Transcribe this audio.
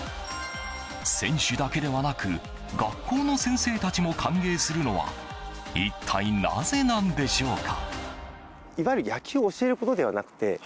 選手だけではなく学校の先生たちも歓迎するのは一体なぜなんでしょうか？